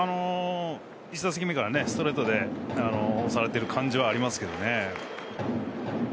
１打席目からストレートで押されてる感じはありますけどね。